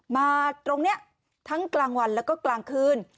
มาตรงนี้ทั้งกลางวันแล้วก็กลางคืน